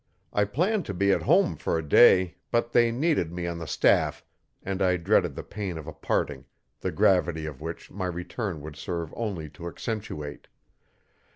I planned to be at home for a day, but they needed me on the staff, and I dreaded the pain of a parting, the gravity of which my return would serve only to accentuate.